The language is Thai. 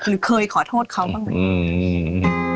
หรือเคยขอโทษเขาบ้างไหม